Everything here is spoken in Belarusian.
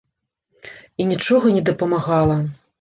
І нічога не дапамагала.